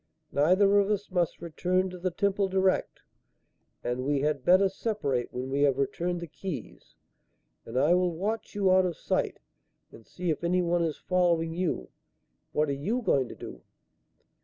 Neither of us must return to the Temple direct, and we had better separate when we have returned the keys and I will watch you out of sight and see if anyone is following you. What are you going to do?"